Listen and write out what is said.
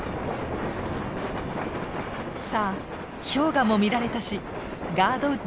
さあ氷河も見られたしガード